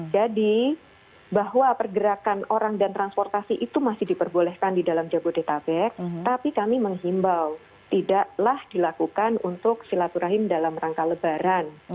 jadi bahwa pergerakan orang dan transportasi itu masih diperbolehkan di dalam jabodebek tapi kami menghimbau tidaklah dilakukan untuk silaturahim dalam rangka lebaran